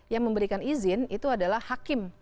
yang memberikan izin itu adalah hakim